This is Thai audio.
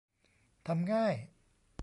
ทำง่าย